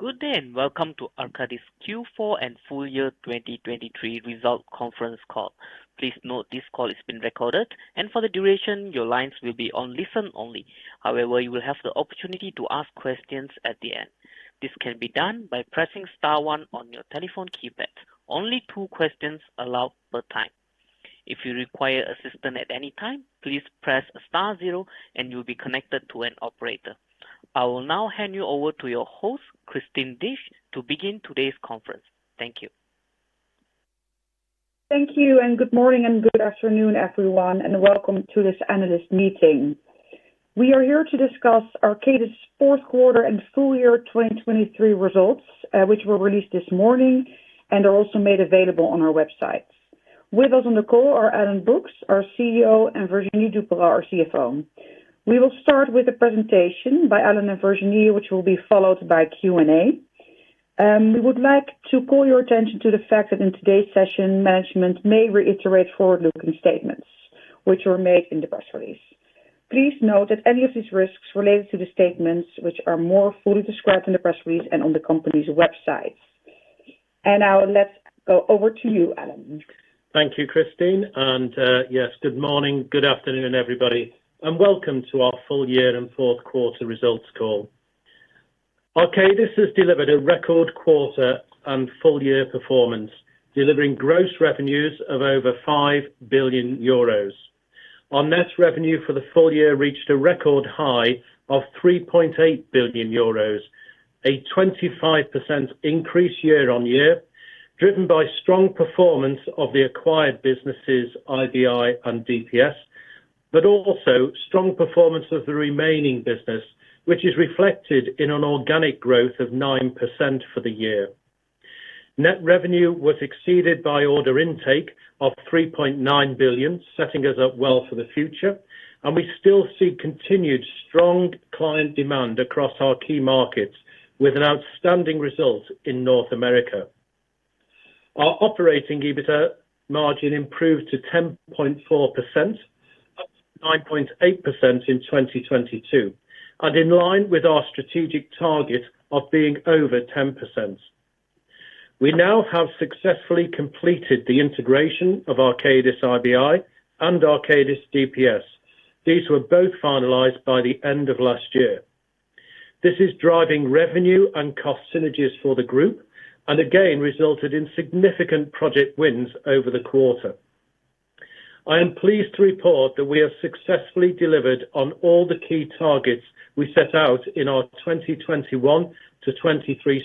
Good day and welcome to Arcadis Q4 and Full Year 2023 Results Conference Call. Please note this call is being recorded, and for the duration, your lines will be on listen-only. However, you will have the opportunity to ask questions at the end. This can be done by pressing star one on your telephone keypad. Only two questions allowed per time. If you require assistance at any time, please press star zero and you'll be connected to an operator. I will now hand you over to your host, Christine Disch, to begin today's conference. Thank you. Thank you, and good morning and good afternoon, everyone, and welcome to this analyst meeting. We are here to discuss Arcadis' fourth quarter and full year 2023 results, which were released this morning and are also made available on our website. With us on the call are Alan Brookes, our CEO, and Virginie Dupérat-Vergne, our CFO. We will start with a presentation by Alan and Virginie, which will be followed by Q&A. We would like to call your attention to the fact that in today's session, management may reiterate forward-looking statements which were made in the press release. Please note that any of these risks related to the statements are more fully described in the press release and on the company's website. Now let's go over to you, Alan. Thank you, Christine. Yes, good morning, good afternoon, everybody, and welcome to our full year and fourth quarter results call. Arcadis has delivered a record quarter and full year performance, delivering gross revenues of over 5 billion euros. Our net revenue for the full year reached a record high of 3.8 billion euros, a 25% increase year-over-year, driven by strong performance of the acquired businesses, IBI and DPS, but also strong performance of the remaining business, which is reflected in an organic growth of 9% for the year. Net revenue was exceeded by order intake of 3.9 billion, setting us up well for the future, and we still see continued strong client demand across our key markets with an outstanding result in North America. Our operating EBITDA margin improved to 10.4%, up to 9.8% in 2022, and in line with our strategic target of being over 10%. We now have successfully completed the integration of Arcadis IBI and Arcadis DPS. These were both finalised by the end of last year. This is driving revenue and cost synergies for the group and, again, resulted in significant project wins over the quarter. I am pleased to report that we have successfully delivered on all the key targets we set out in our 2021-2023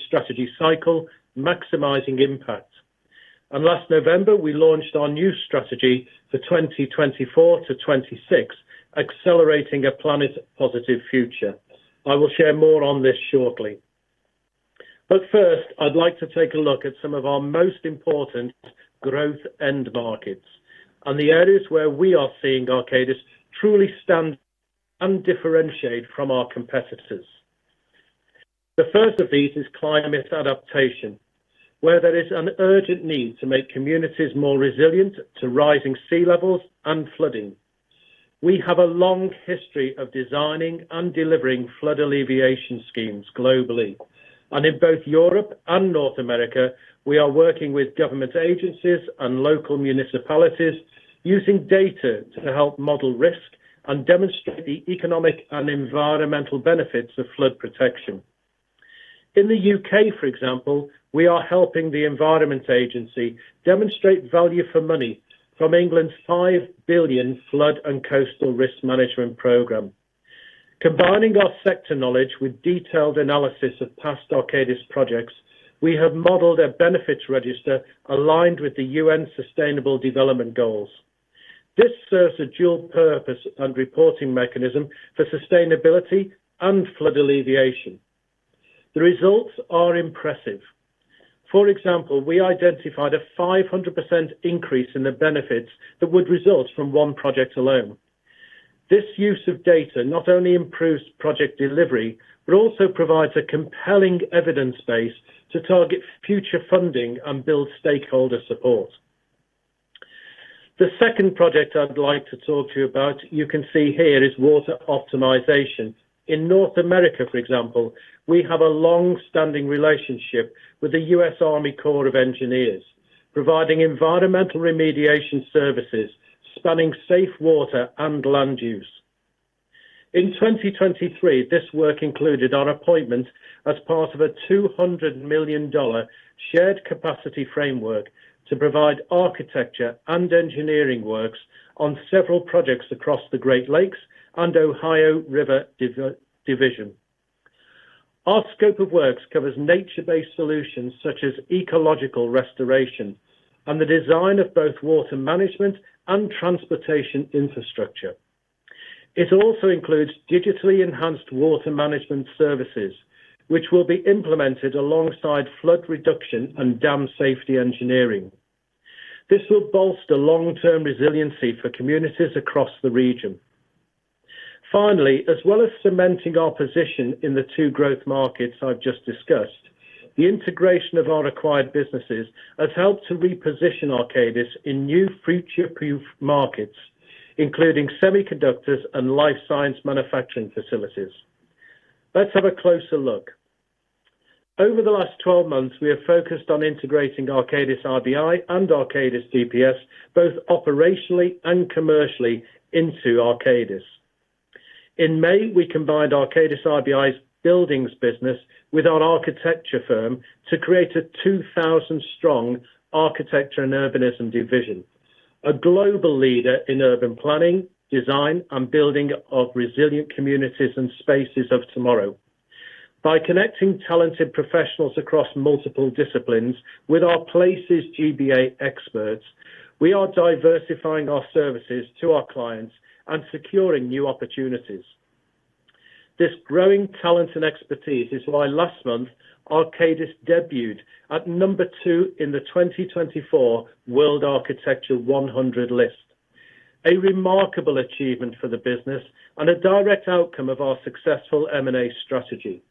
strategy cycle, maximizing impact. Last November, we launched our new strategy for 2024-2026, accelerating a planet-positive future. I will share more on this shortly. First, I'd like to take a look at some of our most important growth end markets and the areas where we are seeing Arcadis truly stand and differentiate from our competitors. The first of these is climate adaptation, where there is an urgent need to make communities more resilient to rising sea levels and flooding. We have a long history of designing and delivering flood alleviation schemes globally, and in both Europe and North America, we are working with government agencies and local municipalities using data to help model risk and demonstrate the economic and environmental benefits of flood protection. In the UK, for example, we are helping the Environment Agency demonstrate value for money from England's 5 billion flood and coastal risk management program. Combining our sector knowledge with detailed analysis of past Arcadis projects, we have modelled a benefits register aligned with the UN Sustainable Development Goals. This serves a dual-purpose and reporting mechanism for sustainability and flood alleviation. The results are impressive. For example, we identified a 500% increase in the benefits that would result from one project alone. This use of data not only improves project delivery but also provides a compelling evidence base to target future funding and build stakeholder support. The second project I'd like to talk to you about, you can see here, is water optimization. In North America, for example, we have a longstanding relationship with the U.S. Army Corps of Engineers, providing environmental remediation services spanning safe water and land use. In 2023, this work included our appointment as part of a $200 million shared capacity framework to provide architecture and engineering works on several projects across the Great Lakes and Ohio River Division. Our scope of works covers nature-based solutions such as ecological restoration and the design of both water management and transportation infrastructure. It also includes digitally enhanced water management services, which will be implemented alongside flood reduction and dam safety engineering. This will bolster long-term resiliency for communities across the region. Finally, as well as cementing our position in the two growth markets I've just discussed, the integration of our acquired businesses has helped to reposition Arcadis in new future-proof markets, including semiconductors and life science manufacturing facilities. Let's have a closer look. Over the last 12 months, we have focused on integrating Arcadis IBI and Arcadis DPS, both operationally and commercially, into Arcadis. In May, we combined Arcadis IBI's buildings business with our architecture firm to create a 2,000-strong Architecture and Urbanism division, a global leader in urban planning, design, and building of resilient communities and spaces of tomorrow. By connecting talented professionals across multiple disciplines with our Places GBA experts, we are diversifying our services to our clients and securing new opportunities. This growing talent and expertise is why last month, Arcadis debuted at number two in the 2024 World Architecture 100 list, a remarkable achievement for the business and a direct outcome of our successful M&A strategy.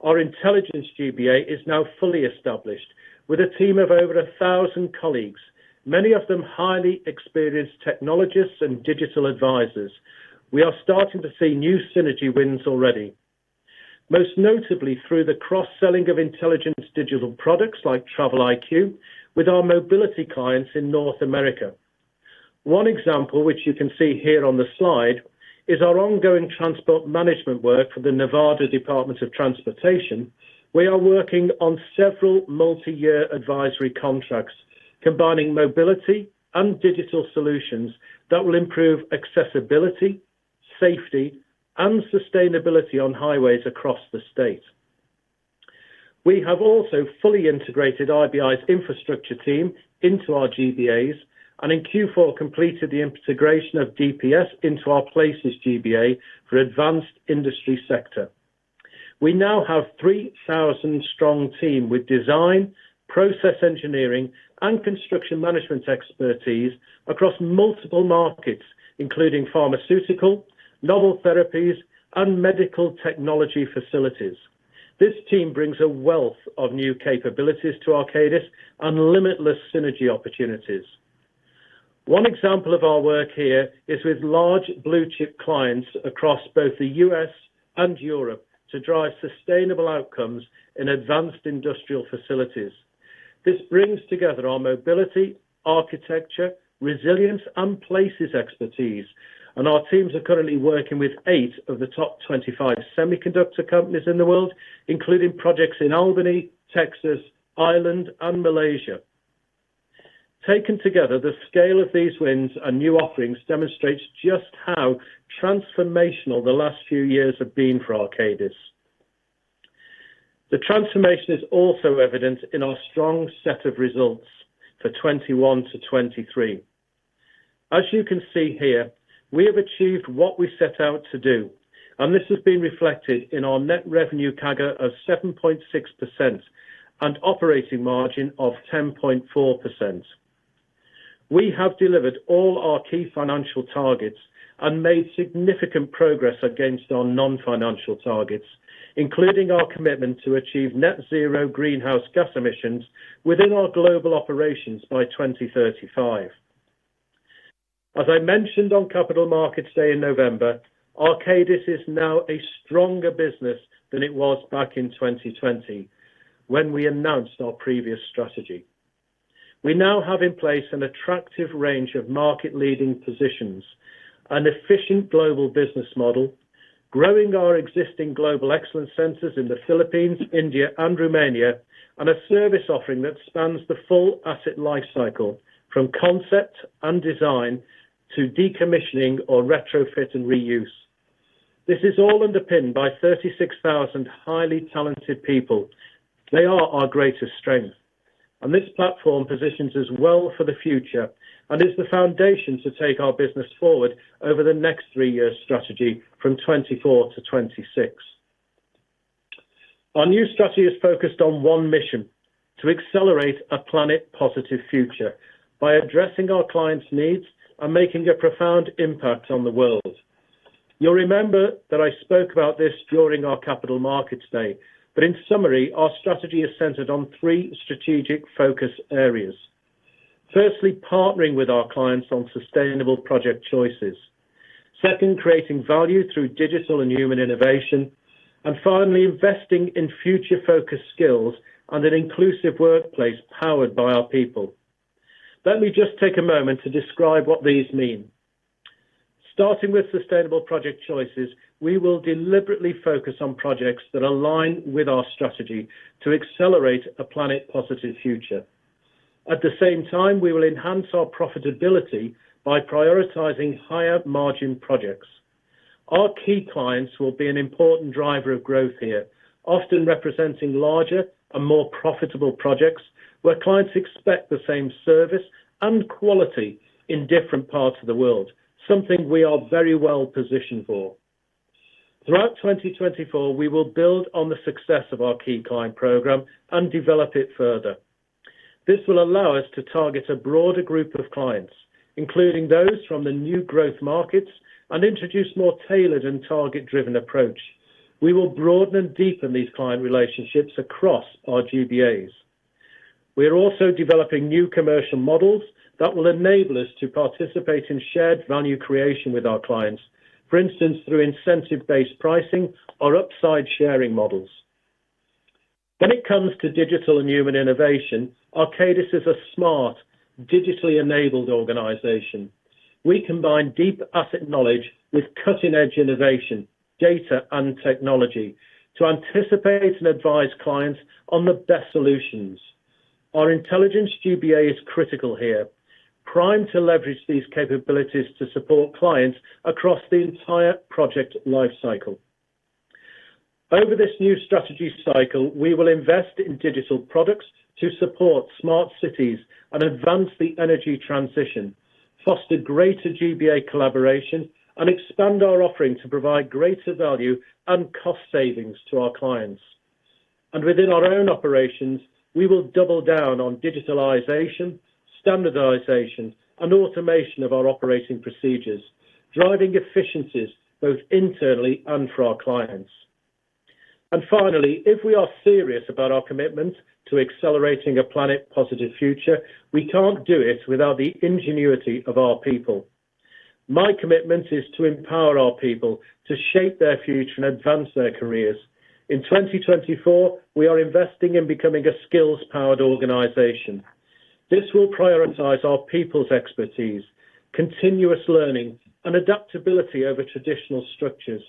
Our Intelligence GBA is now fully established with a team of over 1,000 colleagues, many of them highly experienced technologists and digital advisors. We are starting to see new synergy wins already, most notably through the cross-selling of Intelligence digital products like Travel-IQ with our Mobility clients in North America. One example, which you can see here on the slide, is our ongoing transport management work for the Nevada Department of Transportation, where we are working on several multi-year advisory contracts combining Mobility and digital solutions that will improve accessibility, safety, and sustainability on highways across the state. We have also fully integrated IBI's infrastructure team into our GBAs and, in Q4, completed the integration of DPS into our Places GBA for advanced industry sector. We now have a 3,000-strong team with design, process engineering, and construction management expertise across multiple markets, including pharmaceutical, novel therapies, and medical technology facilities. This team brings a wealth of new capabilities to Arcadis and limitless synergy opportunities. One example of our work here is with large blue-chip clients across both the U.S. and Europe to drive sustainable outcomes in advanced industrial facilities. This brings together our Mobility, architecture, Resilience, and Places expertise, and our teams are currently working with 8 of the top 25 semiconductor companies in the world, including projects in Albany, Texas, Ireland, and Malaysia. Taken together, the scale of these wins and new offerings demonstrates just how transformational the last few years have been for Arcadis. The transformation is also evident in our strong set of results for 2021 to 2023. As you can see here, we have achieved what we set out to do, and this has been reflected in our net revenue CAGR of 7.6% and operating margin of 10.4%. We have delivered all our key financial targets and made significant progress against our non-financial targets, including our commitment to achieve net-zero greenhouse gas emissions within our global operations by 2035. As I mentioned on Capital Markets Day in November, Arcadis is now a stronger business than it was back in 2020 when we announced our previous strategy. We now have in place an attractive range of market-leading positions, an efficient global business model, growing our existing global excellence centers in the Philippines, India, and Romania, and a service offering that spans the full asset life cycle from concept and design to decommissioning or retrofit and reuse. This is all underpinned by 36,000 highly talented people. They are our greatest strength. And this platform positions us well for the future and is the foundation to take our business forward over the next three years' strategy from 2024 to 2026. Our new strategy is focused on one mission: to accelerate a planet-positive future by addressing our clients' needs and making a profound impact on the world. You'll remember that I spoke about this during our Capital Markets Day, but in summary, our strategy is centered on three strategic focus areas. Firstly, partnering with our clients on sustainable project choices. Second, creating value through digital and human innovation. And finally, investing in future-focused skills and an inclusive workplace powered by our people. Let me just take a moment to describe what these mean. Starting with sustainable project choices, we will deliberately focus on projects that align with our strategy to accelerate a planet-positive future. At the same time, we will enhance our profitability by prioritizing higher-margin projects. Our key clients will be an important driver of growth here, often representing larger and more profitable projects where clients expect the same service and quality in different parts of the world, something we are very well positioned for. Throughout 2024, we will build on the success of our key client program and develop it further. This will allow us to target a broader group of clients, including those from the new growth markets, and introduce a more tailored and target-driven approach. We will broaden and deepen these client relationships across our GBAs. We are also developing new commercial models that will enable us to participate in shared value creation with our clients, for instance, through incentive-based pricing or upside-sharing models. When it comes to digital and human innovation, Arcadis is a smart, digitally-enabled organization. We combine deep asset knowledge with cutting-edge innovation, data, and technology to anticipate and advise clients on the best solutions. Our Intelligence GBA is critical here, primed to leverage these capabilities to support clients across the entire project life cycle. Over this new strategy cycle, we will invest in digital products to support smart cities and advance the energy transition, foster greater GBA collaboration, and expand our offering to provide greater value and cost savings to our clients. Within our own operations, we will double down on digitalization, standardization, and automation of our operating procedures, driving efficiencies both internally and for our clients. Finally, if we are serious about our commitment to accelerating a planet-positive future, we can't do it without the ingenuity of our people. My commitment is to empower our people to shape their future and advance their careers. In 2024, we are investing in becoming a skills-powered organization. This will prioritize our people's expertise, continuous learning, and adaptability over traditional structures.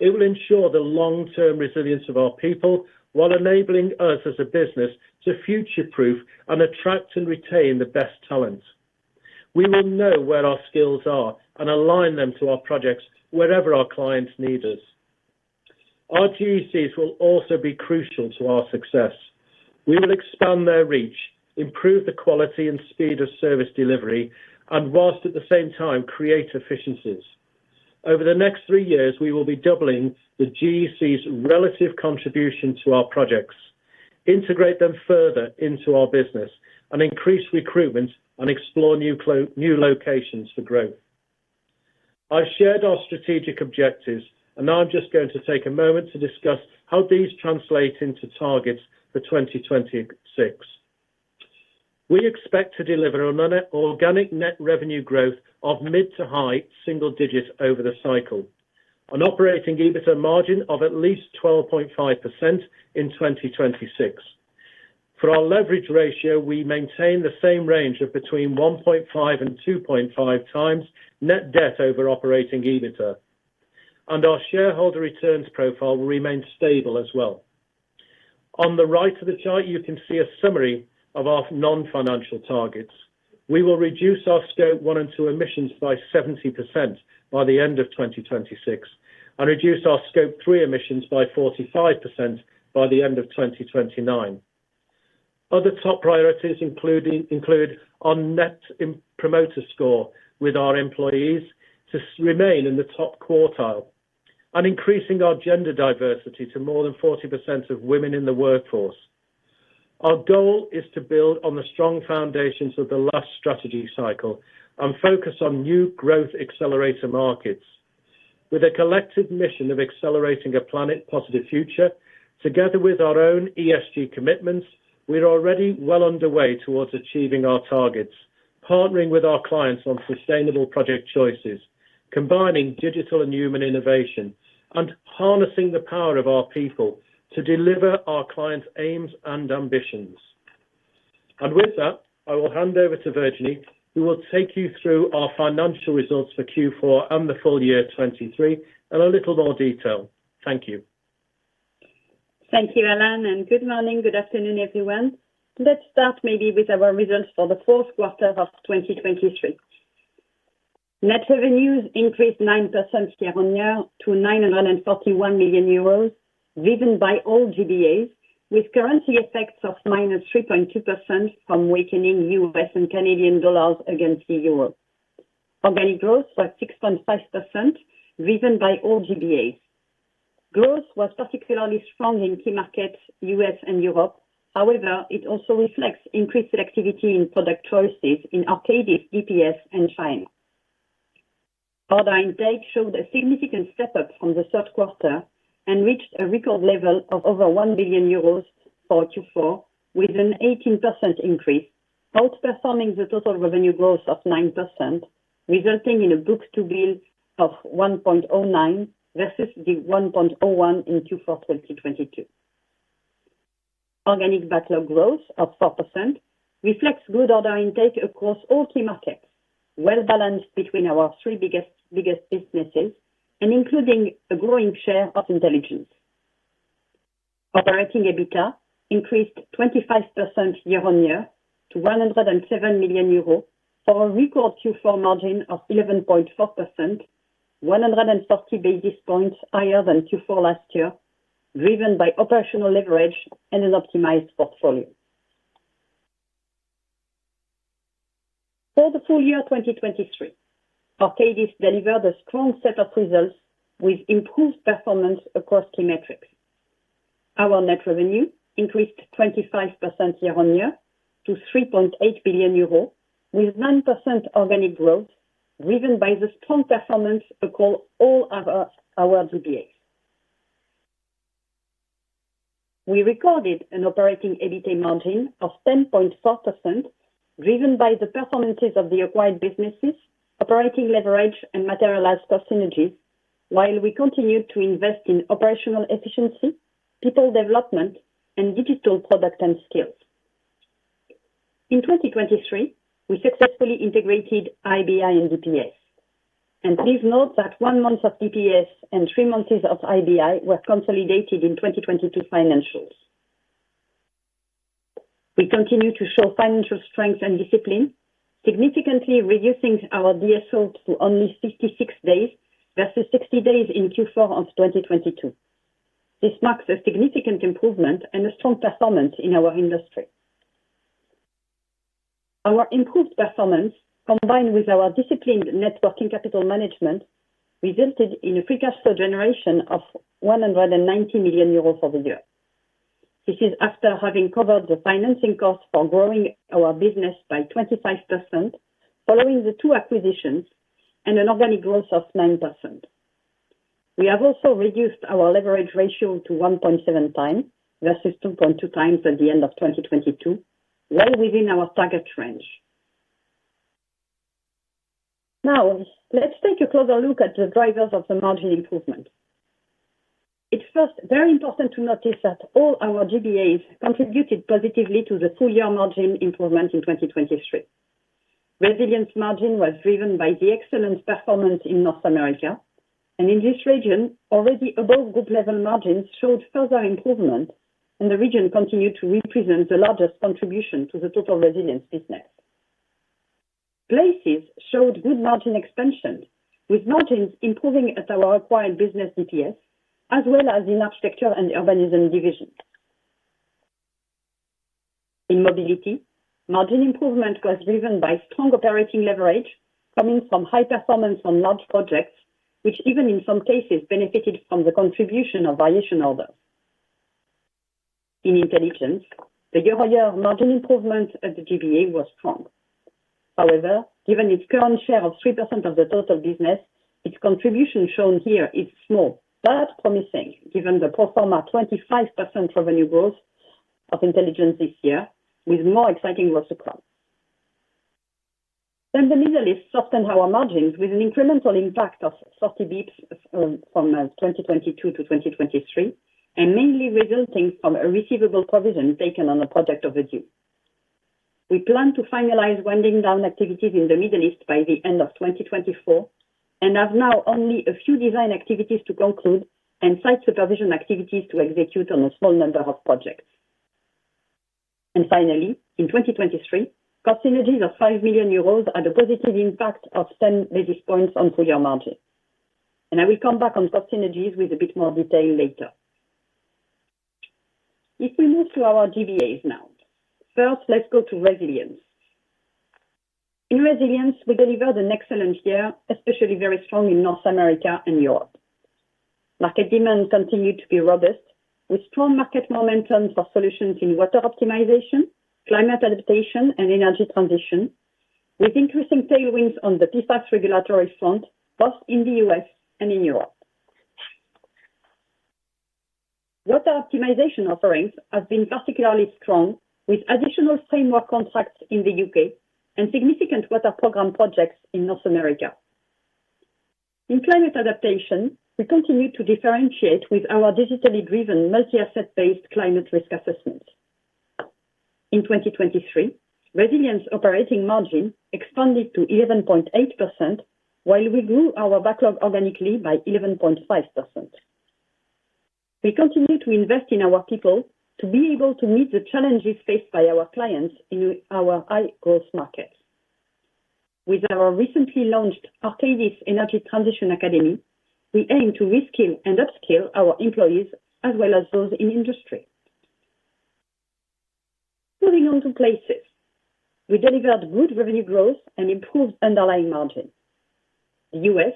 It will ensure the long-term Resilience of our people while enabling us as a business to future-proof and attract and retain the best talent. We will know where our skills are and align them to our projects wherever our clients need us. Our GECs will also be crucial to our success. We will expand their reach, improve the quality and speed of service delivery, and whilst at the same time create efficiencies. Over the next three years, we will be doubling the GEC's relative contribution to our projects, integrate them further into our business, and increase recruitment and explore new locations for growth. I've shared our strategic objectives, and now I'm just going to take a moment to discuss how these translate into targets for 2026. We expect to deliver an organic net revenue growth of mid-to high-single-digits over the cycle, an operating EBITDA margin of at least 12.5% in 2026. For our leverage ratio, we maintain the same range of between 1.5x-2.5x net debt over operating EBITDA. Our shareholder returns profile will remain stable as well. On the right of the chart, you can see a summary of our non-financial targets. We will reduce our Scope 1 and 2 emissions by 70% by the end of 2026 and reduce our Scope 3 emissions by 45% by the end of 2029. Other top priorities include our Net Promoter Score with our employees to remain in the top quartile and increasing our gender diversity to more than 40% of women in the workforce. Our goal is to build on the strong foundations of the last strategy cycle and focus on new growth accelerator markets. With a collective mission of accelerating a planet-positive future, together with our own ESG commitments, we're already well underway towards achieving our targets, partnering with our clients on sustainable project choices, combining digital and human innovation, and harnessing the power of our people to deliver our clients' aims and ambitions. And with that, I will hand over to Virginie, who will take you through our financial results for Q4 and the full year 2023 in a little more detail. Thank you. Thank you, Alan. Good morning. Good afternoon, everyone. Let's start maybe with our results for the fourth quarter of 2023. Net revenues increased 9% year-on-year to 941 million euros driven by all GBAs, with currency effects of -3.2% from weakening U.S. and Canadian dollars against the euro. Organic growth was 6.5% driven by all GBAs. Growth was particularly strong in key markets U.S. and Europe. However, it also reflects increased activity in product choices in Arcadis DPS, and China. Order intake showed a significant step up from the third quarter and reached a record level of over 1 billion euros for Q4 with an 18% increase, outperforming the total revenue growth of 9%, resulting in a book-to-bill of 1.09 versus the 1.01 in Q4 2022. Organic backlog growth of 4% reflects good order intake across all key markets, well balanced between our three biggest businesses and including a growing share of Intelligence. Operating EBITDA increased 25% year-on-year to 107 million euros for a record Q4 margin of 11.4%, 140 basis points higher than Q4 last year, driven by operational leverage and an optimized portfolio. For the full year 2023, Arcadis delivered a strong set of results with improved performance across key metrics. Our net revenue increased 25% year-on-year to 3.8 billion euros, with 9% organic growth driven by the strong performance across all our GBAs. We recorded an operating EBITDA margin of 10.4% driven by the performances of the acquired businesses, operating leverage, and materialized cost synergies, while we continued to invest in operational efficiency, people development, and digital product and skills. In 2023, we successfully integrated IBI and DPS. Please note that one month of DPS and three months of IBI were consolidated in 2022 financials. We continue to show financial strength and discipline, significantly reducing our DSO to only 56 days versus 60 days in Q4 of 2022. This marks a significant improvement and a strong performance in our industry. Our improved performance, combined with our disciplined working capital management, resulted in a free cash flow generation of 190 million euros for the year. This is after having covered the financing costs for growing our business by 25% following the two acquisitions and an organic growth of 9%. We have also reduced our leverage ratio to 1.7x versus 2.2x at the end of 2022, well within our target range. Now, let's take a closer look at the drivers of the margin improvement. It's first very important to notice that all our GBAs contributed positively to the full year margin improvement in 2023. Resilience margin was driven by the excellent performance in North America. In this region, already above group-level margins showed further improvement, and the region continued to represent the largest contribution to the total Resilience business. Places showed good margin expansion, with margins improving at our acquired business DPS as well as in Architecture and Urbanism divisions. In Mobility, margin improvement was driven by strong operating leverage coming from high performance on large projects, which even in some cases benefited from the contribution of variation orders. In Intelligence, the year-on-year margin improvement at the GBA was strong. However, given its current share of 3% of the total business, its contribution shown here is small but promising given the pro forma 25% revenue growth of Intelligence this year, with more exciting growth to come. Then the Middle East softened our margins with an incremental impact of 40 basis points from 2022 to 2023, and mainly resulting from a receivable provision taken on a project overdue. We plan to finalize winding down activities in the Middle East by the end of 2024 and have now only a few design activities to conclude and site supervision activities to execute on a small number of projects. Finally, in 2023, cost synergies of 5 million euros had a positive impact of 10 basis points on full-year margin. I will come back on cost synergies with a bit more detail later. If we move to our GBAs now, first, let's go to Resilience. In Resilience, we delivered an excellent year, especially very strong in North America and Europe. Market demand continued to be robust, with strong market momentum for solutions in water optimization, climate adaptation, and energy transition, with increasing tailwinds on the PFAS regulatory front both in the U.S. and in Europe. Water optimization offerings have been particularly strong, with additional framework contracts in the U.K. and significant water programme projects in North America. In climate adaptation, we continued to differentiate with our digitally driven, multi-asset-based climate risk assessments. In 2023, Resilience operating margin expanded to 11.8%, while we grew our backlog organically by 11.5%. We continue to invest in our people to be able to meet the challenges faced by our clients in our high-growth markets. With our recently launched Arcadis Energy Transition Academy, we aim to reskill and upskill our employees as well as those in industry. Moving on to Places, we delivered good revenue growth and improved underlying margin. The U.S.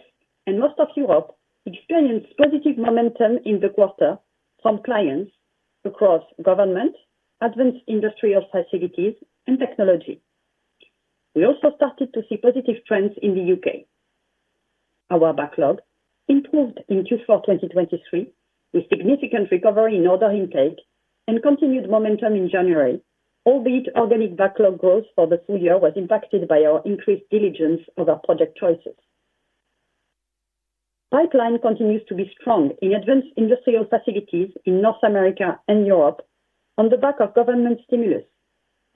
and most of Europe experienced positive momentum in the quarter from clients across government, advanced industrial facilities, and technology. We also started to see positive trends in the U.K. Our backlog improved in Q4 2023 with significant recovery in order intake and continued momentum in January, albeit organic backlog growth for the full year was impacted by our increased diligence over project choices. Pipeline continues to be strong in advanced industrial facilities in North America and Europe on the back of government stimulus.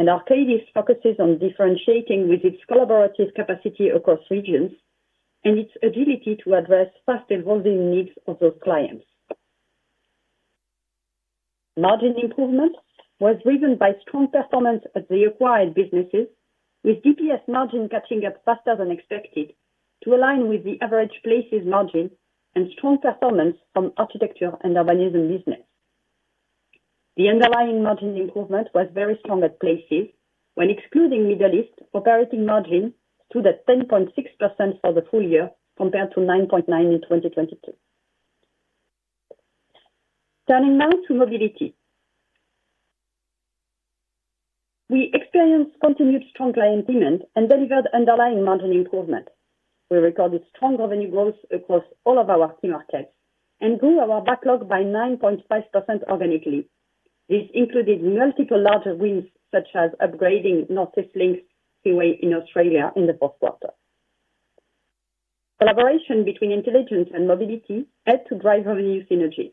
Arcadis focuses on differentiating with its collaborative capacity across regions and its agility to address fast-evolving needs of those clients. Margin improvement was driven by strong performance at the acquired businesses, with DPS margin catching up faster than expected to align with the average Places margin and strong performance from Architecture and Urbanism business. The underlying margin improvement was very strong at Places when excluding Middle East, operating margin stood at 10.6% for the full year compared to 9.9% in 2022. Turning now to Mobility, we experienced continued strong client demand and delivered underlying margin improvement. We recorded strong revenue growth across all of our key markets and grew our backlog by 9.5% organically. This included multiple larger wins such as upgrading North East Link in Australia in the fourth quarter. Collaboration between Intelligence and Mobility had to drive revenue synergies.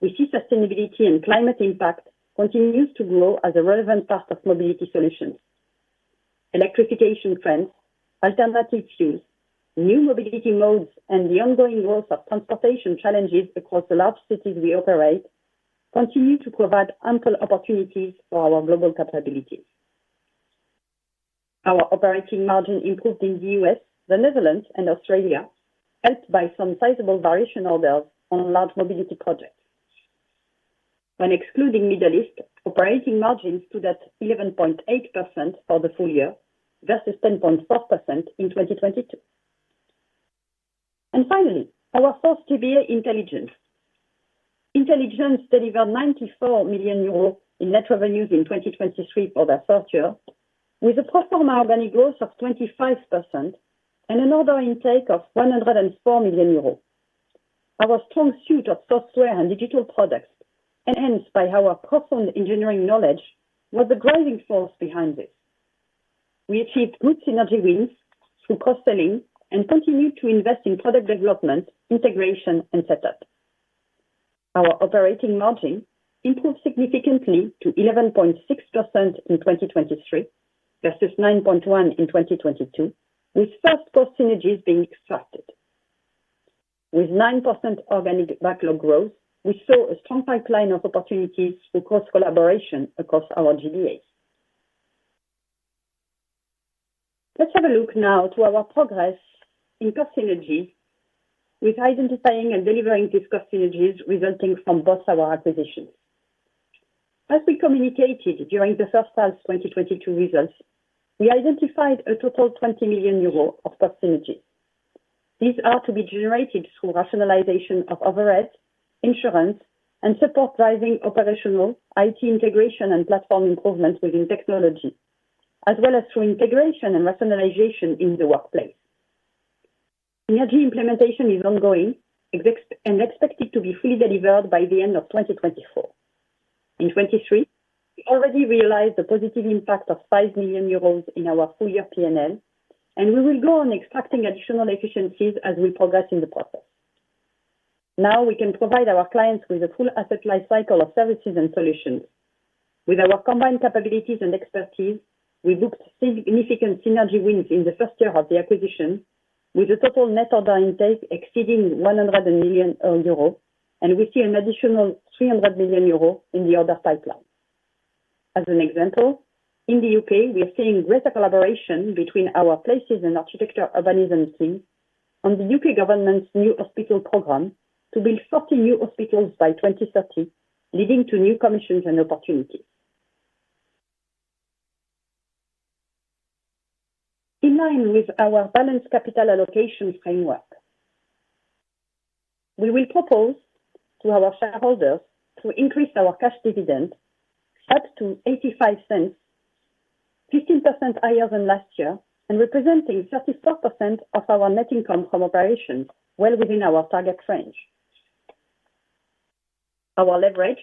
We see sustainability and climate impact continues to grow as a relevant part of Mobility solutions. Electrification trends, alternative fuels, new Mobility modes, and the ongoing growth of transportation challenges across the large cities we operate continue to provide ample opportunities for our global capabilities. Our operating margin improved in the US, the Netherlands, and Australia, helped by some sizable variation orders on large Mobility projects. When excluding Middle East, operating margin stood at 11.8% for the full year versus 10.4% in 2022. Finally, our fourth GBA, Intelligence. Intelligence delivered 94 million euros in net revenues in 2023 for their third year, with a pro forma organic growth of 25% and an order intake of 104 million euros. Our strong suite of software and digital products, enhanced by our profound engineering knowledge, was the driving force behind this. We achieved good synergy wins through cross-selling and continued to invest in product development, integration, and setup. Our operating margin improved significantly to 11.6% in 2023 versus 9.1% in 2022, with first cost synergies being extracted. With 9% organic backlog growth, we saw a strong pipeline of opportunities through cross-collaboration across our GBAs. Let's have a look now to our progress in cost synergies with identifying and delivering these cost synergies resulting from both our acquisitions. As we communicated during the first half 2022 results, we identified a total 20 million euro of cost synergies. These are to be generated through rationalization of overhead, insurance, and support-driving operational IT integration and platform improvements within technology, as well as through integration and rationalization in the workplace. Synergy implementation is ongoing and expected to be fully delivered by the end of 2024. In 2023, we already realized the positive impact of 5 million euros in our full year P&L, and we will go on extracting additional efficiencies as we progress in the process. Now, we can provide our clients with a full asset life cycle of services and solutions. With our combined capabilities and expertise, we booked significant synergy wins in the first year of the acquisition, with a total net order intake exceeding 100 million euro, and we see an additional 300 million euro in the order pipeline. As an example, in the UK, we are seeing greater collaboration between our Places and Architecture Urbanism teams on the UK government's New Hospital Programme to build 40 new hospitals by 2030, leading to new commissions and opportunities. In line with our balanced capital allocation framework, we will propose to our shareholders to increase our cash dividend up to 0.85, 15% higher than last year, and representing 34% of our net income from operations, well within our target range. Our leverage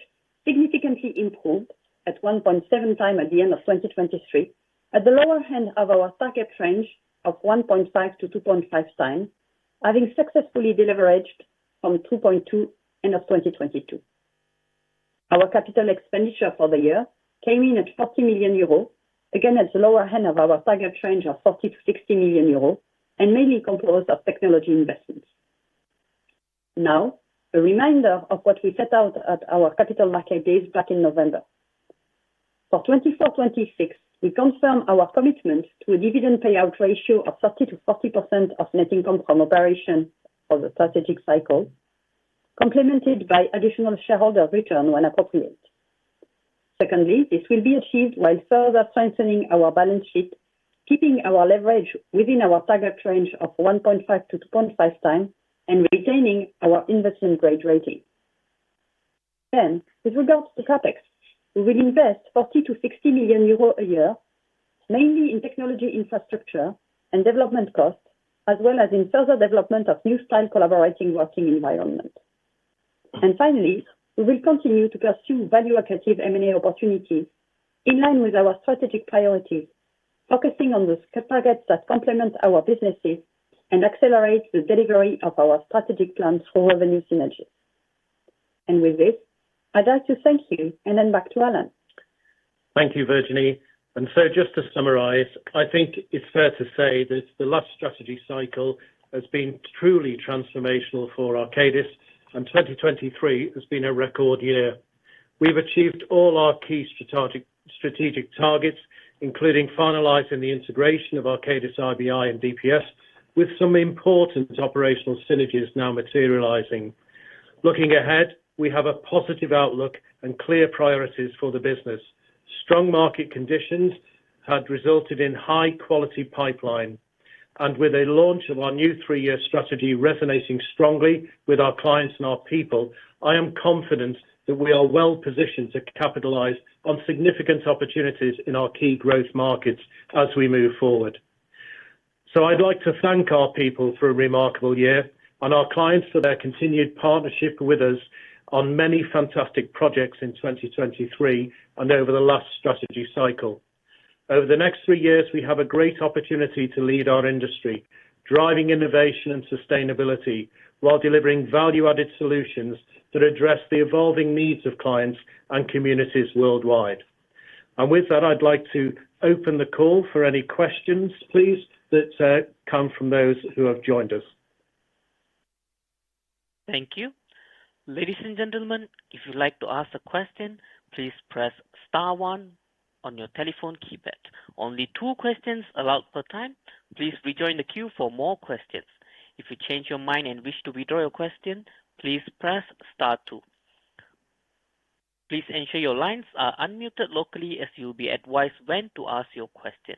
significantly improved at 1.7x at the end of 2023, at the lower end of our target range of 1.5x-2.5x, having successfully deleveraged from 2.2 end of 2022. Our capital expenditure for the year came in at 40 million euros, again at the lower end of our target range of 40-60 million euros, and mainly composed of technology investments. Now, a reminder of what we set out at our capital market days back in November. For 2024/2026, we confirm our commitment to a dividend payout ratio of 30%-40% of net income from operation for the strategic cycle, complemented by additional shareholder return when appropriate. Secondly, this will be achieved while further strengthening our balance sheet, keeping our leverage within our target range of 1.5x-2.5x, and retaining our investment grade rating. Then, with regards to CapEx, we will invest 40-60 million euros a year, mainly in technology infrastructure and development costs, as well as in further development of new style collaborating working environments. And finally, we will continue to pursue value-additive M&A opportunities in line with our strategic priorities, focusing on the targets that complement our businesses and accelerate the delivery of our strategic plans for revenue synergies. And with this, I'd like to thank you and then back to Alan. Thank you, Virginie. So, just to summarize, I think it's fair to say that the last strategy cycle has been truly transformational for Arcadis, and 2023 has been a record year. We've achieved all our key strategic targets, including finalizing the integration of Arcadis IBI and DPS, with some important operational synergies now materializing. Looking ahead, we have a positive outlook and clear priorities for the business. Strong market conditions had resulted in high-quality pipeline. With a launch of our new three-year strategy resonating strongly with our clients and our people, I am confident that we are well-positioned to capitalize on significant opportunities in our key growth markets as we move forward. So I'd like to thank our people for a remarkable year and our clients for their continued partnership with us on many fantastic projects in 2023 and over the last strategy cycle. Over the next three years, we have a great opportunity to lead our industry, driving innovation and sustainability while delivering value-added solutions that address the evolving needs of clients and communities worldwide. And with that, I'd like to open the call for any questions, please, that come from those who have joined us. Thank you. Ladies and gentlemen, if you'd like to ask a question, please press star one on your telephone keypad. Only two questions allowed per time. Please rejoin the queue for more questions. If you change your mind and wish to withdraw your question, please press star two. Please ensure your lines are unmuted locally as you'll be advised when to ask your question.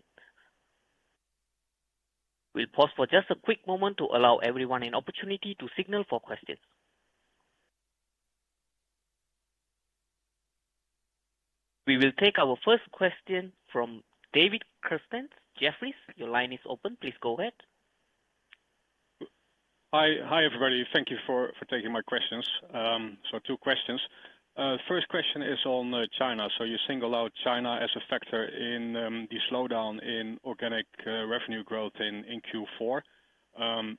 We'll pause for just a quick moment to allow everyone an opportunity to signal for questions. We will take our first question from David Kerstens, Jefferies. Your line is open. Please go ahead. Hi, everybody. Thank you for taking my questions. So two questions. The first question is on China. So you single out China as a factor in the slowdown in organic revenue growth in Q4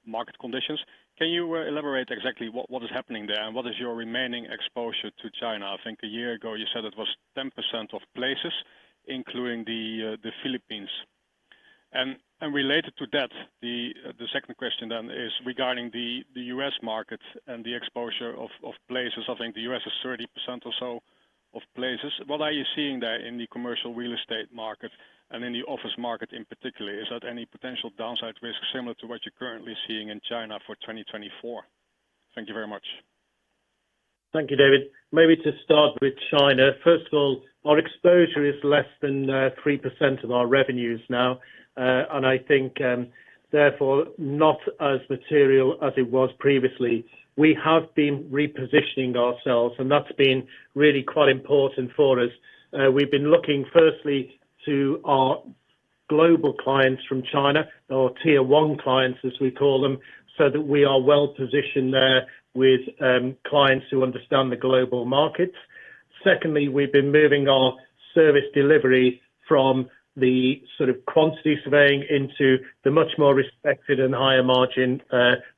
market conditions. Can you elaborate exactly what is happening there and what is your remaining exposure to China? I think a year ago, you said it was 10% of Places, including the Philippines. And related to that, the second question then is regarding the US market and the exposure of Places. I think the US is 30% or so of Places. What are you seeing there in the commercial real estate market and in the office market in particular? Is that any potential downside risk similar to what you're currently seeing in China for 2024? Thank you very much. Thank you, David. Maybe to start with China. First of all, our exposure is less than 3% of our revenues now, and I think, therefore, not as material as it was previously. We have been repositioning ourselves, and that's been really quite important for us. We've been looking, firstly, to our global clients from China, our tier one clients, as we call them, so that we are well-positioned there with clients who understand the global markets. Secondly, we've been moving our service delivery from the sort of quantity surveying into the much more respected and higher-margin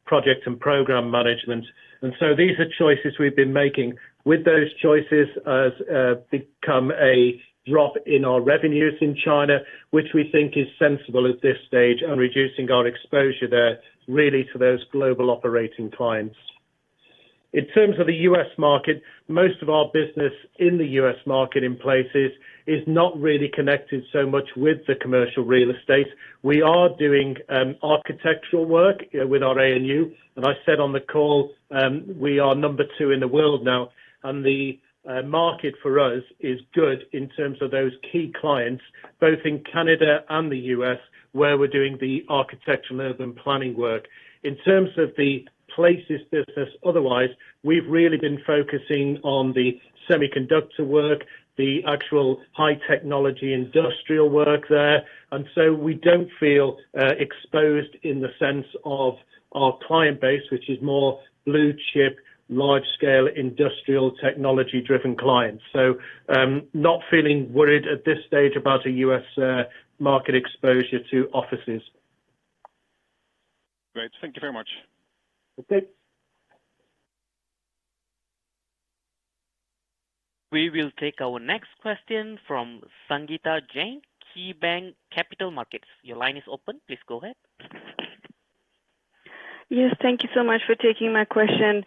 project and program management. And so these are choices we've been making. With those choices has come a drop in our revenues in China, which we think is sensible at this stage and reducing our exposure there, really, to those global operating clients. In terms of the U.S. market, most of our business in the U.S. market in Places is not really connected so much with the commercial real estate. We are doing architectural work with our IBI. I said on the call, we are number two in the world now. The market for us is good in terms of those key clients, both in Canada and the U.S., where we're doing the architectural urban planning work. In terms of the Places business otherwise, we've really been focusing on the semiconductor work, the actual high-technology industrial work there. So we don't feel exposed in the sense of our client base, which is more blue chip, large-scale, industrial technology-driven clients. So not feeling worried at this stage about a U.S. market exposure to offices. Great. Thank you very much. Okay. We will take our next question from Sangita Jain, KeyBanc Capital Markets. Your line is open. Please go ahead. Yes. Thank you so much for taking my question.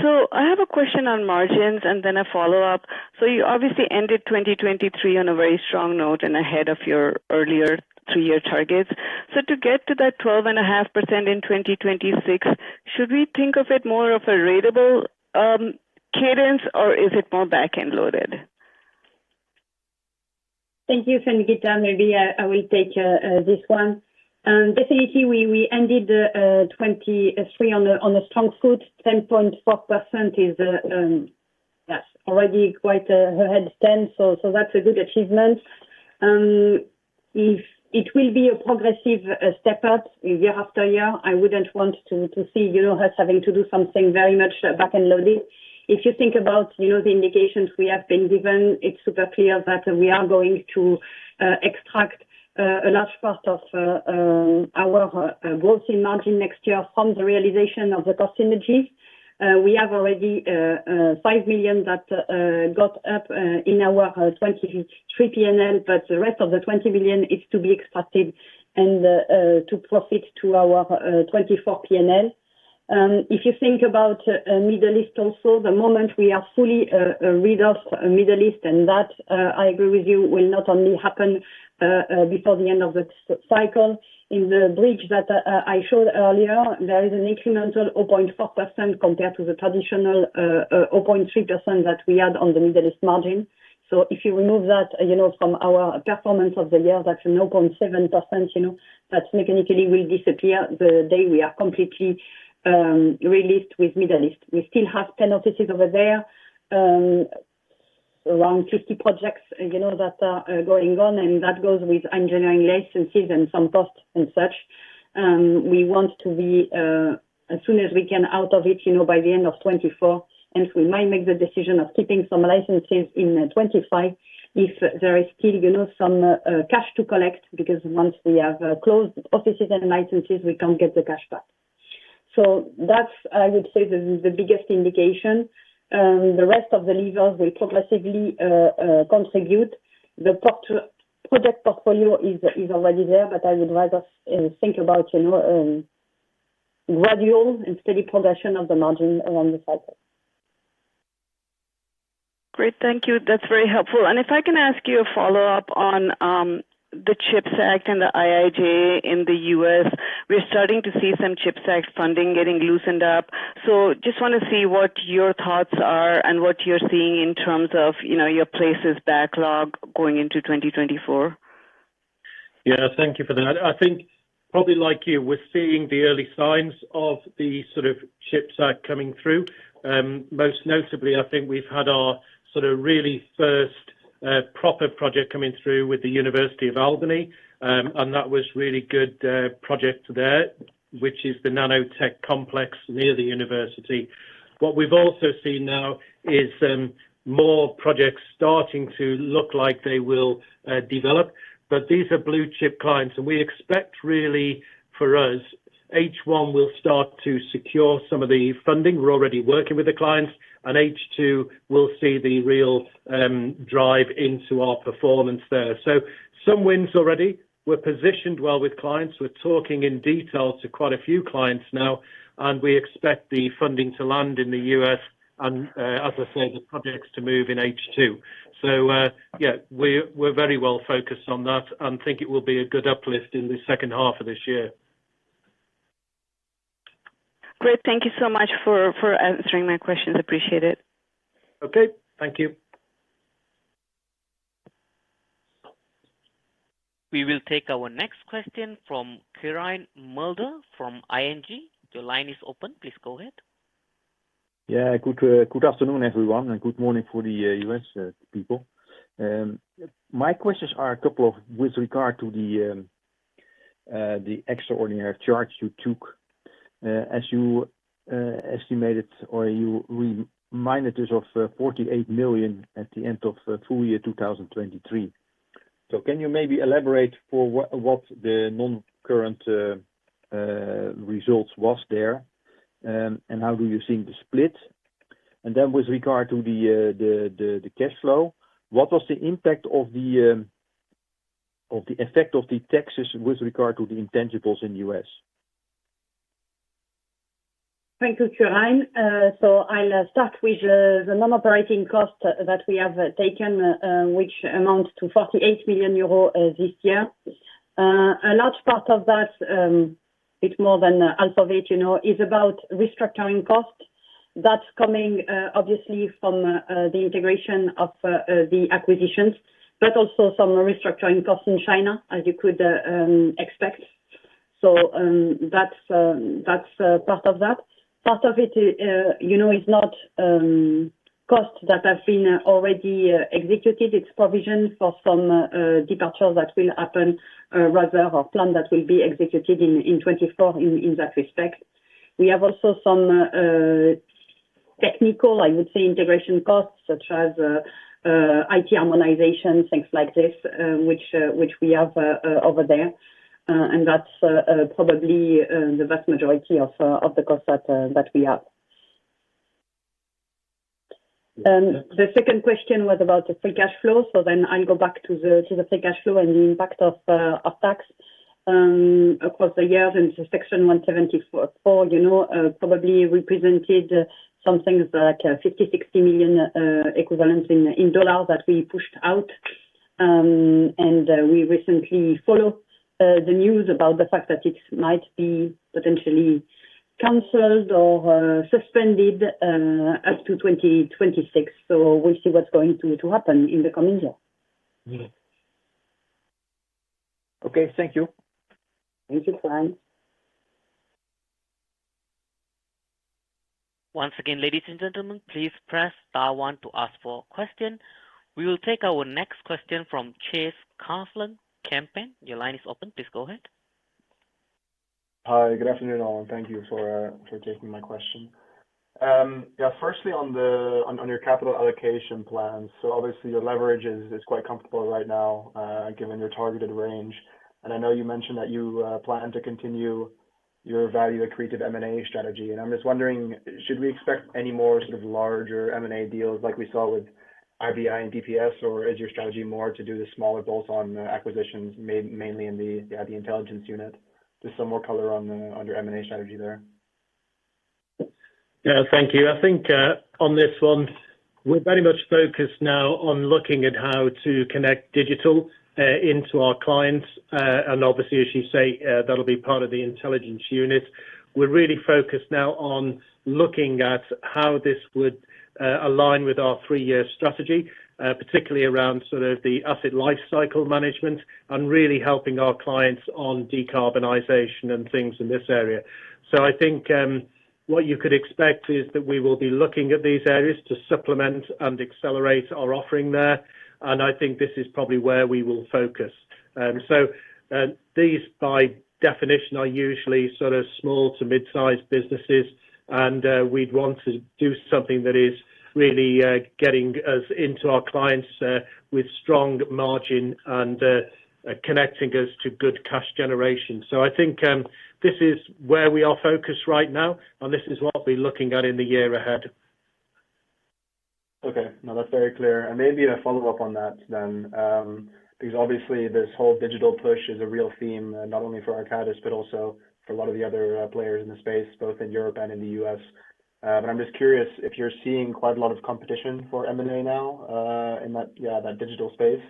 So I have a question on margins and then a follow-up. So you obviously ended 2023 on a very strong note and ahead of your earlier three-year targets. So to get to that 12.5% in 2026, should we think of it more of a ratable cadence, or is it more backend-loaded? Thank you, Sangita. Maybe I will take this one. Definitely, we ended 2023 on a strong foot. 10.4% is, yes, already quite ahead of 10%. So that's a good achievement. It will be a progressive step up year after year. I wouldn't want to see us having to do something very much backend-loaded. If you think about the indications we have been given, it's super clear that we are going to extract a large part of our growth in margin next year from the realization of the cost synergies. We have already 5 million that got up in our 2023 P&L, but the rest of the 20 million is to be extracted and to profit to our 2024 P&L. If you think about Middle East also, the moment we are fully rid of Middle East and that, I agree with you, will not only happen before the end of the cycle. In the bridge that I showed earlier, there is an incremental 0.4% compared to the traditional 0.3% that we had on the Middle East margin. So if you remove that from our performance of the year, that's an 0.7% that mechanically will disappear the day we are completely released with Middle East. We still have 10 offices over there, around 50 projects that are going on, and that goes with engineering licenses and some costs and such. We want to be, as soon as we can, out of it by the end of 2024. Hence, we might make the decision of keeping some licenses in 2025 if there is still some cash to collect because once we have closed offices and licenses, we can't get the cash back. So that's, I would say, the biggest indication. The rest of the levers will progressively contribute. The project portfolio is already there, but I would rather think about gradual and steady progression of the margin around the cycle. Great. Thank you. That's very helpful. And if I can ask you a follow-up on the CHIPS Act and the IIJA in the US, we're starting to see some CHIPS Act funding getting loosened up. So just want to see what your thoughts are and what you're seeing in terms of your Places backlog going into 2024. Yeah. Thank you for that. I think, probably like you, we're seeing the early signs of the sort of CHIPS Act coming through. Most notably, I think we've had our sort of really first proper project coming through with the University of Albany, and that was really good project there, which is the nanotech complex near the university. What we've also seen now is more projects starting to look like they will develop. But these are blue chip clients, and we expect, really, for us, H1 will start to secure some of the funding. We're already working with the clients, and H2 will see the real drive into our performance there. So some wins already. We're positioned well with clients. We're talking in detail to quite a few clients now, and we expect the funding to land in the U.S. and, as I say, the projects to move in H2. So yeah, we're very well-focused on that and think it will be a good uplift in the second half of this year. Great. Thank you so much for answering my questions. Appreciate it. Okay. Thank you. We will take our next question from Quirijn Mulder from ING. Your line is open. Please go ahead. Yeah. Good afternoon, everyone, and good morning for the U.S. people. My questions are a couple of with regard to the extraordinary charge you took. As you estimated or you reminded us of 48 million at the end of full year 2023. So can you maybe elaborate for what the non-current results was there and how do you see the split? And then with regard to the cash flow, what was the impact of the effect of the taxes with regard to the intangibles in the U.S.? Thank you, Quirijn. So I'll start with the non-operating cost that we have taken, which amounts to 48 million euro this year. A large part of that, a bit more than half of it, is about restructuring cost. That's coming, obviously, from the integration of the acquisitions, but also some restructuring costs in China, as you could expect. So that's part of that. Part of it is not costs that have been already executed. It's provision for some departures that will happen rather or plan that will be executed in 2024 in that respect. We have also some technical, I would say, integration costs such as IT harmonization, things like this, which we have over there. That's probably the vast majority of the costs that we have. The second question was about the free cash flow. So then I'll go back to the free cash flow and the impact of tax across the years. Section 174 probably represented something like $50-60 million equivalents in dollars that we pushed out. We recently followed the news about the fact that it might be potentially cancelled or suspended up to 2026. We'll see what's going to happen in the coming year. Okay. Thank you. Thank you, Quirijn. Once again, ladies and gentlemen, please press star one to ask for a question. We will take our next question from Chase Coughlan. Your line is open. Please go ahead. Hi. Good afternoon, all, and thank you for taking my question. Yeah. Firstly, on your capital allocation plans, so obviously, your leverage is quite comfortable right now given your targeted range. And I know you mentioned that you plan to continue your value-add creative M&A strategy. And I'm just wondering, should we expect any more sort of larger M&A deals like we saw with IBI and DPS, or is your strategy more to do the smaller bolt-on acquisitions, mainly in the Intelligence unit? Just some more color on your M&A strategy there. Yeah. Thank you. I think on this one, we're very much focused now on looking at how to connect digital into our clients. And obviously, as you say, that'll be part of the Intelligence unit. We're really focused now on looking at how this would align with our three-year strategy, particularly around sort of the asset lifecycle management and really helping our clients on decarbonization and things in this area. I think what you could expect is that we will be looking at these areas to supplement and accelerate our offering there. And I think this is probably where we will focus. These, by definition, are usually sort of small to mid-sized businesses, and we'd want to do something that is really getting us into our clients with strong margin and connecting us to good cash generation. I think this is where we are focused right now, and this is what we'll be looking at in the year ahead. Okay. No, that's very clear. Maybe a follow-up on that then because obviously, this whole digital push is a real theme not only for Arcadis but also for a lot of the other players in the space, both in Europe and in the US. But I'm just curious if you're seeing quite a lot of competition for M&A now in that digital space.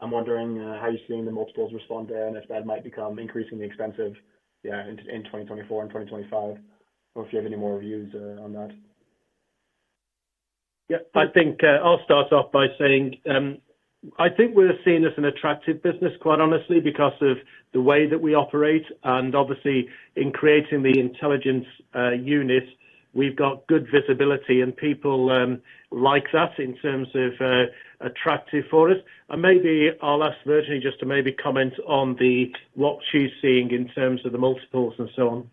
I'm wondering how you're seeing the multiples respond there and if that might become increasingly expensive in 2024 and 2025 or if you have any more views on that. Yeah. I think I'll start off by saying I think we're seeing this as an attractive business, quite honestly, because of the way that we operate. And obviously, in creating the Intelligence unit, we've got good visibility, and people like that in terms of attractive for us. Maybe I'll ask Virginie just to maybe comment on what she's seeing in terms of the multiples and so on.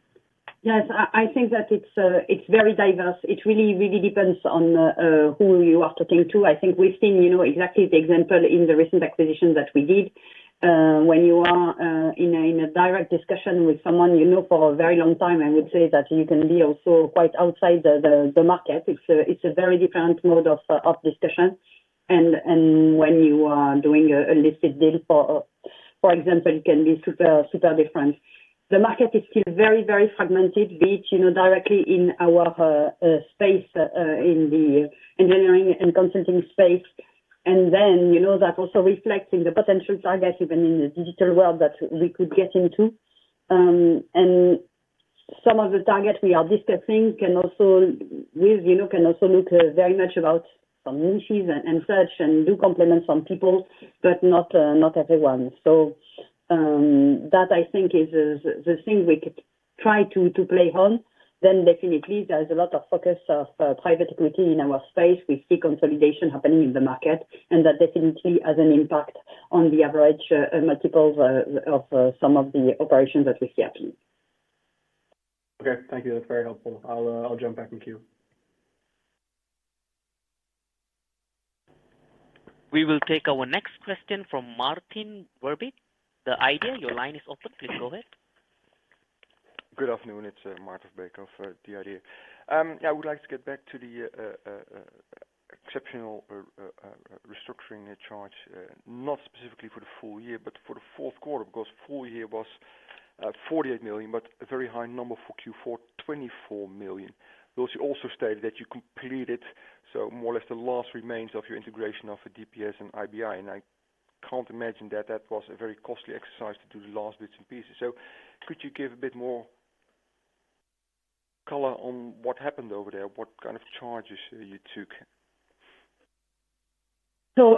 Yes. I think that it's very diverse. It really, really depends on who you are talking to. I think we've seen exactly the example in the recent acquisition that we did. When you are in a direct discussion with someone for a very long time, I would say that you can be also quite outside the market. It's a very different mode of discussion. And when you are doing a listed deal, for example, it can be super, super different. The market is still very, very fragmented, be it directly in our space, in the engineering and consulting space. And then that also reflects in the potential target, even in the digital world, that we could get into. Some of the targets we are discussing can also look very much about some niches and such and do complement some people but not everyone. So that, I think, is the thing we could try to play on. Then definitely, there's a lot of focus of private equity in our space. We see consolidation happening in the market, and that definitely has an impact on the average multiples of some of the operations that we see happening. Okay. Thank you. That's very helpful. I'll jump back and queue. We will take our next question from Maarten Verbeek, The Idea. Your line is open. Please go ahead. Good afternoon. It's Maarten Verbeek of The Idea. Yeah. I would like to get back to the exceptional restructuring charge not specifically for the full year but for the fourth quarter because full year was 48 million but a very high number for Q4, 24 million. You also stated that you completed so more or less the last remains of your integration of DPS and IBI. And I can't imagine that that was a very costly exercise to do the last bits and pieces. So could you give a bit more color on what happened over there, what kind of charges you took? So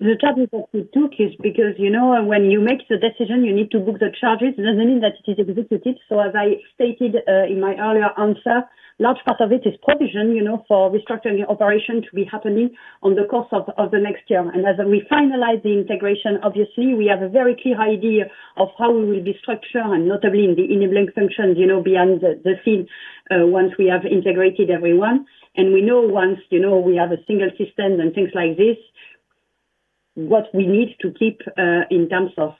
the charges that we took is because when you make the decision, you need to book the charges. It doesn't mean that it is executed. So as I stated in my earlier answer, large part of it is provision for restructuring operation to be happening in the course of the next year. As we finalize the integration, obviously, we have a very clear idea of how we will be structured and notably in the internal back-office functions once we have integrated everyone. We know once we have a single system and things like this, what we need to keep in terms of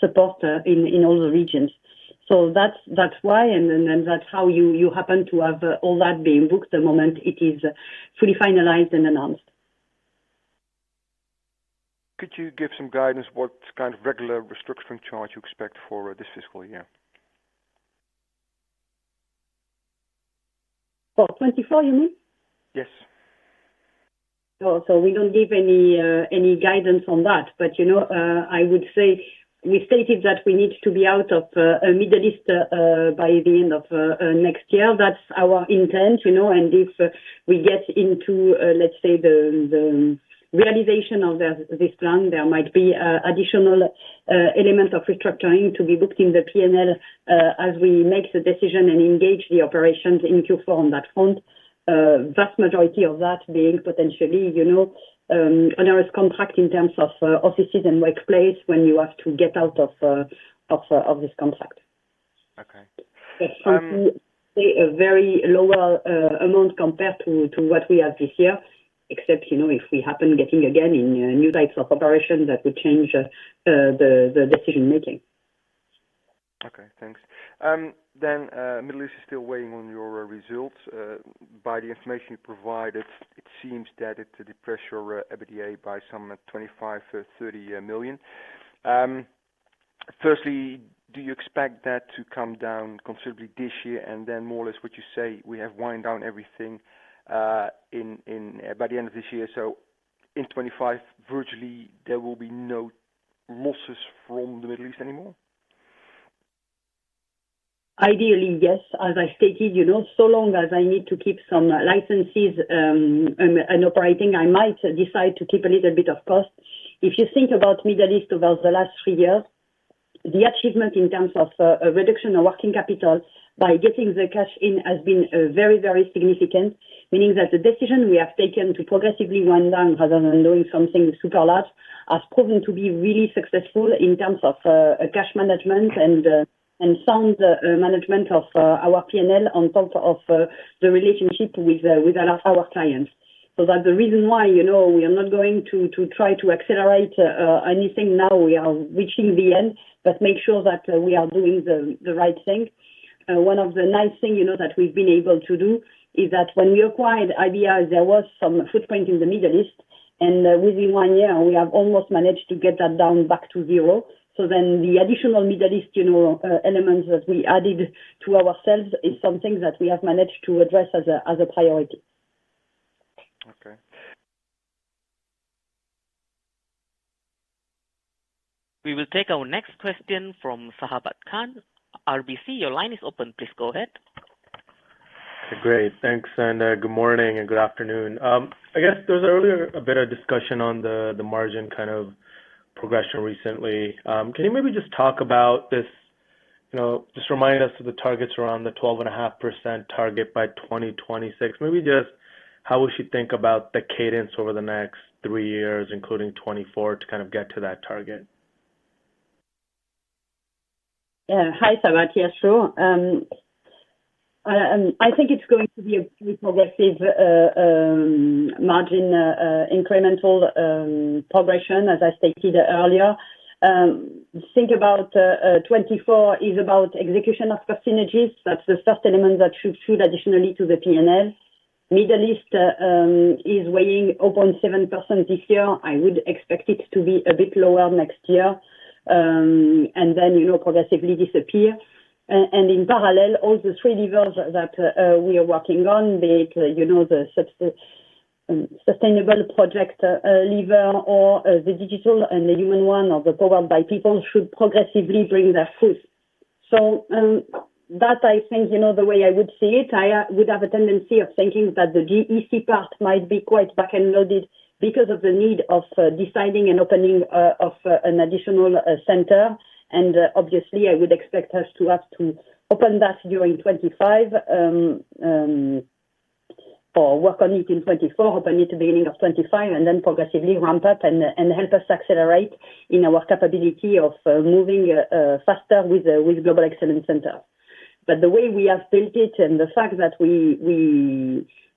support in all the regions. So that's why, and then that's how you happen to have all that being booked the moment it is fully finalized and announced. Could you give some guidance what kind of regular restructuring charge you expect for this fiscal year? For 2024, you mean? Yes. So we don't give any guidance on that. But I would say we stated that we need to be out of the Middle East by the end of next year. That's our intent. If we get into, let's say, the realization of this plan, there might be additional elements of restructuring to be booked in the P&L as we make the decision and engage the operations in Q4 on that front, vast majority of that being potentially onerous contract in terms of offices and workplace when you have to get out of this contract. That's probably a very lower amount compared to what we have this year, except if we happen getting again in new types of operations that would change the decision-making. Okay. Thanks. Then Middle East is still weighing on your results. By the information you provided, it seems that it depressed your EBITDA by some 25-30 million. Firstly, do you expect that to come down considerably this year and then more or less what you say, "We have wound down everything by the end of this year." So in 2025, virtually, there will be no losses from the Middle East anymore? Ideally, yes. As I stated, so long as I need to keep some licenses and operating, I might decide to keep a little bit of cost. If you think about Middle East over the last three years, the achievement in terms of reduction of working capital by getting the cash in has been very, very significant, meaning that the decision we have taken to progressively wind down rather than doing something super large has proven to be really successful in terms of cash management and sound management of our P&L on top of the relationship with our clients. So that's the reason why we are not going to try to accelerate anything. Now, we are reaching the end but make sure that we are doing the right thing. One of the nice things that we've been able to do is that when we acquired IBI, there was some footprint in the Middle East. And within one year, we have almost managed to get that down back to zero. So then the additional Middle East elements that we added to ourselves is something that we have managed to address as a priority. Okay. We will take our next question from Sabahat Khan. RBC, your line is open. Please go ahead. Okay. Great. Thanks, and good morning and good afternoon. I guess there was earlier a bit of discussion on the margin kind of progression recently. Can you maybe just talk about this just remind us of the targets around the 12.5% target by 2026? Maybe just how we should think about the cadence over the next three years, including 2024, to kind of get to that target. Yeah. Hi, Sabahat. Yes, sure. I think it's going to be a progressive margin incremental progression, as I stated earlier. Think about 2024 is about execution of cost synergies. That's the first element that should shoot additionally to the P&L. Middle East is weighing 0.7% this year. I would expect it to be a bit lower next year and then progressively disappear. And in parallel, all the three levers that we are working on, be it the sustainable project lever or the digital and the human one or the powered by people, should progressively bring their fruit. So that, I think, the way I would see it, I would have a tendency of thinking that the GEC part might be quite back-loaded because of the need of deciding and opening of an additional centre. And obviously, I would expect us to have to open that during 2025 or work on it in 2024, open it at the beginning of 2025, and then progressively ramp up and help us accelerate in our capability of moving faster with Global Excellence Centre. But the way we have built it and the fact that we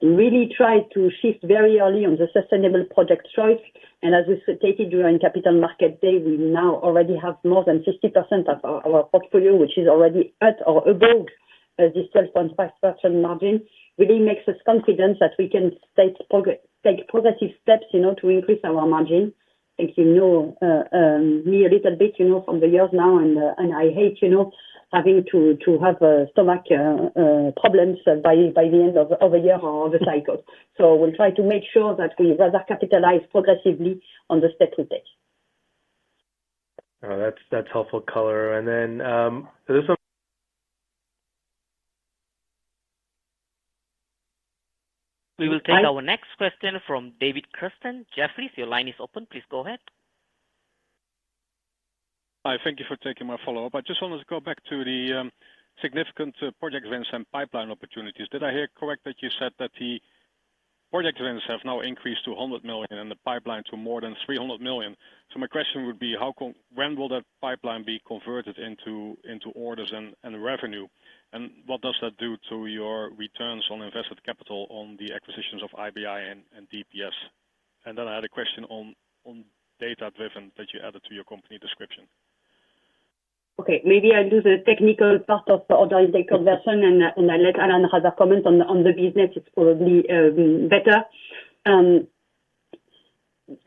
really tried to shift very early on the sustainable project choice and as we stated during Capital Markets Day, we now already have more than 50% of our portfolio, which is already at or above this 12.5% margin, really makes us confident that we can take progressive steps to increase our margin. You know me a little bit from the years now, and I hate having to have stomach problems by the end of a year or other cycle. So we'll try to make sure that we rather capitalize progressively on the steps we take. Oh, that's helpful color. And then is this one. We will take our next question from David Kerstens. Jefferies, your line is open. Please go ahead. Hi. Thank you for taking my follow-up. I just wanted to go back to the significant project events and pipeline opportunities. Did I hear correct that you said that the project events have now increased to 100 million and the pipeline to more than 300 million? So my question would be, when will that pipeline be converted into orders and revenue? And what does that do to your returns on invested capital on the acquisitions of IBI and DPS? Then I had a question on data-driven that you added to your company description. Okay. Maybe I'll do the technical part of the order intake conversion, and I'll let Alan rather comment on the business. It's probably better.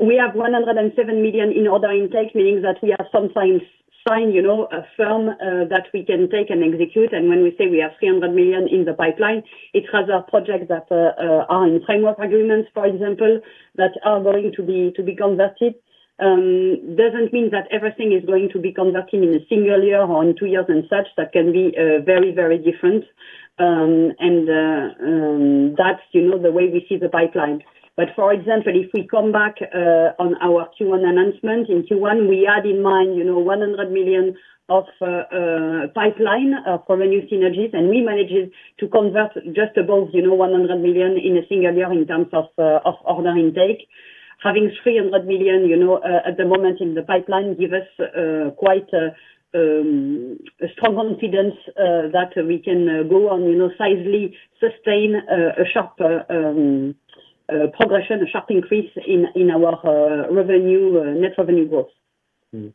We have 107 million in order intake, meaning that we have sometimes signed a firm that we can take and execute. When we say we have 300 million in the pipeline, it's rather projects that are in framework agreements, for example, that are going to be converted. Doesn't mean that everything is going to be converting in a single year or in two years and such. That can be very, very different. That's the way we see the pipeline. But for example, if we come back on our Q1 announcement, in Q1, we had in mind 100 million of pipeline for revenue synergies, and we managed it to convert just above 100 million in a single year in terms of order intake. Having 300 million at the moment in the pipeline gives us quite a strong confidence that we can go on, sizeably sustain a sharp progression, a sharp increase in our net revenue growth. And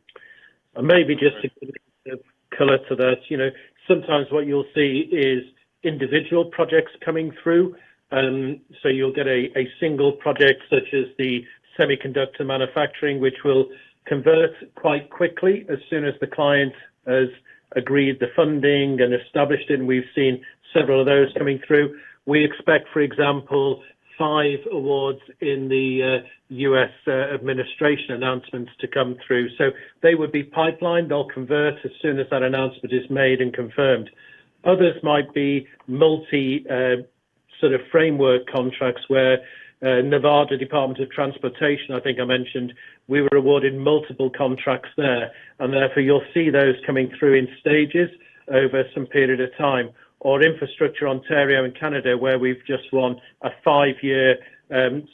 maybe just to give a bit of color to that, sometimes what you'll see is individual projects coming through. So you'll get a single project such as the semiconductor manufacturing, which will convert quite quickly as soon as the client has agreed the funding and established it. And we've seen several of those coming through. We expect, for example, five awards in the U.S. administration announcements to come through. So they would be pipeline. They'll convert as soon as that announcement is made and confirmed. Others might be multi-sort of framework contracts where Nevada Department of Transportation, I think I mentioned, we were awarded multiple contracts there. And therefore, you'll see those coming through in stages over some period of time. Or Infrastructure Ontario and Canada where we've just won a five-year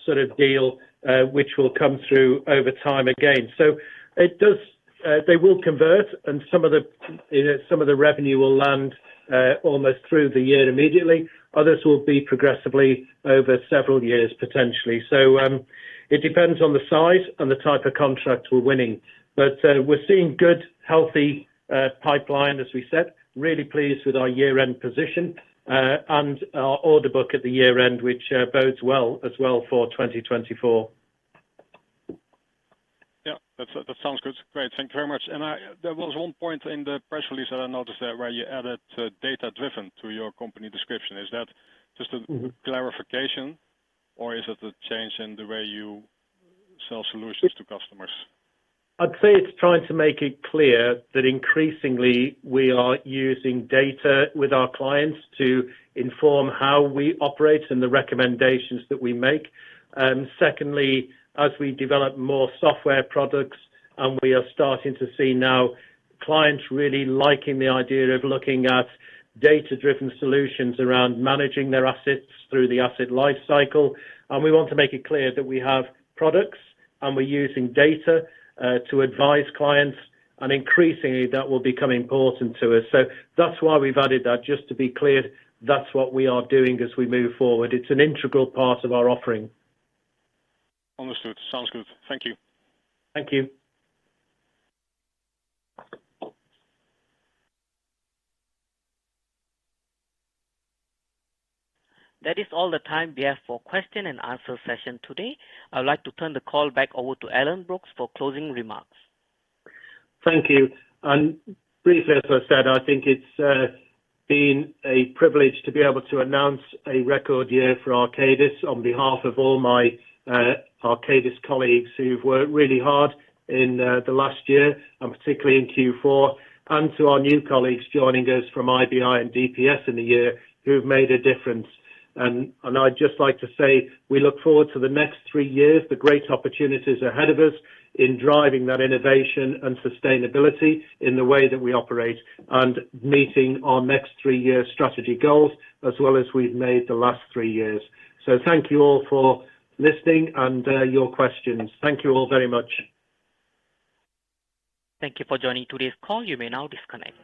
sort of deal, which will come through over time again. So they will convert, and some of the revenue will land almost through the year immediately. Others will be progressively over several years, potentially. So it depends on the size and the type of contract we're winning. But we're seeing good, healthy pipeline, as we said. Really pleased with our year-end position and our order book at the year-end, which bodes well as well for 2024. Yeah. That sounds good. Great. Thank you very much. There was one point in the press release that I noticed there where you added data-driven to your company description. Is that just a clarification, or is it a change in the way you sell solutions to customers? I'd say it's trying to make it clear that increasingly, we are using data with our clients to inform how we operate and the recommendations that we make. Secondly, as we develop more software products and we are starting to see now clients really liking the idea of looking at data-driven solutions around managing their assets through the asset life cycle. We want to make it clear that we have products, and we're using data to advise clients. Increasingly, that will become important to us. That's why we've added that. Just to be clear, that's what we are doing as we move forward. It's an integral part of our offering. Understood. Sounds good. Thank you. Thank you. That is all the time we have for question-and-answer session today. I would like to turn the call back over to Alan Brookes for closing remarks. Thank you. And briefly, as I said, I think it's been a privilege to be able to announce a record year for Arcadis on behalf of all my Arcadis colleagues who've worked really hard in the last year, and particularly in Q4, and to our new colleagues joining us from IBI and DPS in the year who've made a difference. And I'd just like to say we look forward to the next three years, the great opportunities ahead of us in driving that innovation and sustainability in the way that we operate and meeting our next three-year strategy goals as well as we've made the last three years. Thank you all for listening and your questions. Thank you all very much. Thank you for joining today's call. You may now disconnect.